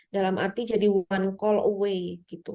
dalam arti jadi one call away gitu